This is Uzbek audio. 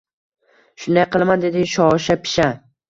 Shunday qilaman, dedi shosha-pisha